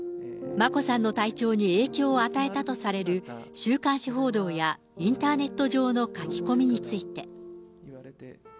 眞子さんの体調に影響を与えたとされる、週刊誌報道やインターネット上の書き込みについて。